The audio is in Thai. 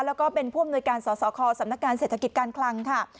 แล้วก็เป็นผู้อำนวยการสสคสำนักการเศรษฐกิจการคลังค่ะ